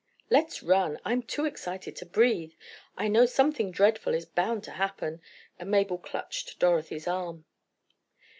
"Let's run. I'm too excited to breathe! I know something dreadful is bound to happen!" And Mabel clutched Dorothy's arm.